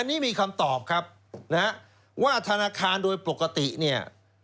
อันนี้มีคำตอบครับนะฮะว่าธนาคารโดยปกติเนี่ย